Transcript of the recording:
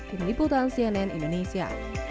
ini putar cnn indonesia